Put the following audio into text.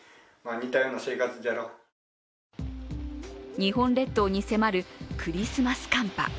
日本列島に迫るクリスマス寒波。